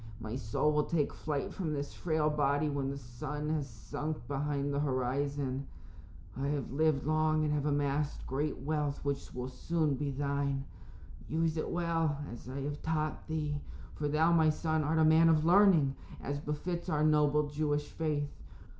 My soul will take flight from this frail body when the sun has sunk behind the horizon. I have lived long and have amassed great wealth which will soon be thine. Use it well, as I have taught thee, for thou, my son, art a man of learning, as befits our noble Jewish faith.